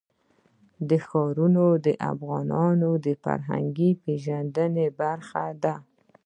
ښارونه د افغانانو د فرهنګي پیژندنې برخه ده.